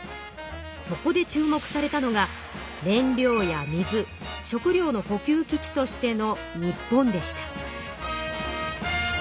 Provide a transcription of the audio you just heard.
そこで注目されたのが燃料や水食料の補給基地としての日本でした。